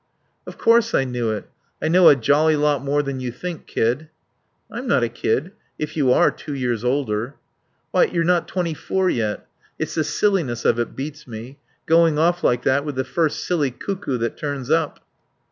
"Of course I knew it. I know a jolly lot more than you think, kid." "I'm not a kid if you are two years older." "Why you're not twenty four yet.... It's the silliness of it beats me. Going off like that, with the first silly cuckoo that turns up."